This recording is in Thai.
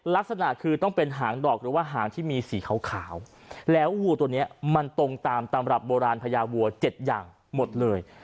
ลักษณะคือต้องเป็นหางดอกหรือว่าหางที่มีสีขาวแล้ววัวตัวนี้มันตรงตามตำรับโบราณพญาวัว๗อย่างหมดเลย